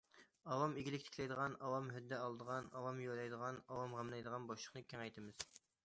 ئاۋام ئىگىلىك تىكلەيدىغان، ئاۋام ھۆددە ئالىدىغان، ئاۋام يۆلەيدىغان، ئاۋام غەملەيدىغان بوشلۇقنى كېڭەيتىمىز.